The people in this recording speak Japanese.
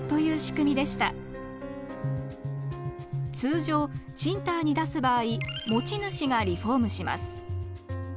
通常賃貸に出す場合持ち主がリフォームします。